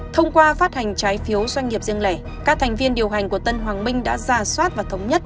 thông qua phát hành trái phiếu doanh nghiệp riêng lẻ các thành viên điều hành của tân hoàng minh đã ra soát và thống nhất